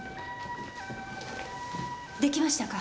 できましたか？